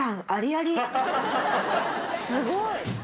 すごい。